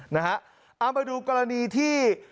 นะฮะเอาไปดูกรณีที่